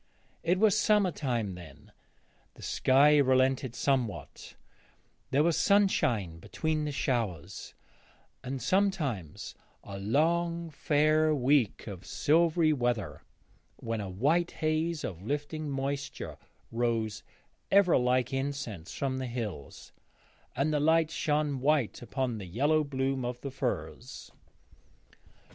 It was summer time then; the sky relented somewhat; there was sunshine between the showers, and sometimes a long fair week of silvery weather, when a white haze of lifting moisture rose ever, like incense, from the hills, and the light shone white upon the yellow bloom of the furze.